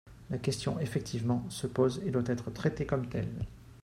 La question, effectivement, se pose et doit être traitée comme telle.